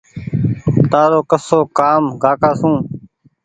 تآرو ڪسو ڪآم ڪاڪا سو